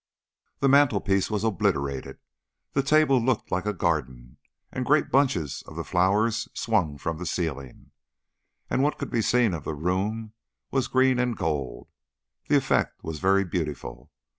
The mantelpiece was obliterated, the table looked like a garden, and great bunches of the flowers swung from the ceiling. As what could be seen of the room was green and gold, the effect was very beautiful.